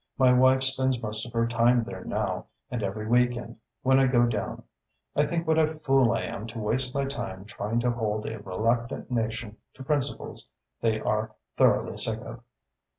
My wife spends most of her time there now and every week end, when I go down, I think what a fool I am to waste my time trying to hold a reluctant nation to principles they are thoroughly sick of.